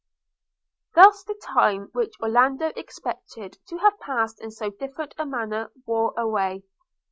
Thus the time which Orlando expected to have passed in so different a manner wore away.